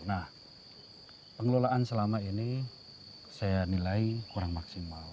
nah pengelolaan selama ini saya nilai kurang maksimal